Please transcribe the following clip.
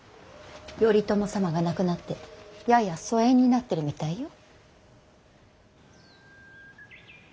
頼朝様が亡くなってやや疎遠になってるみたいよ。